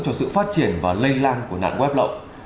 cho sự phát triển và lây lan của nạn web lậu